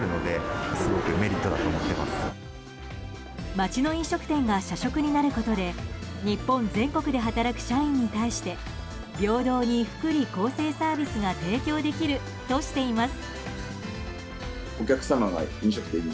街の飲食店が社食になることで日本全国で働く社員に対して平等に福利厚生サービスが提供できるとしています。